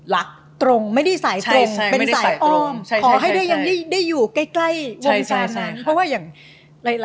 รักตรงไม่ได้สายตรงพอใช้หยังได้อยู่ใกล้วงสาร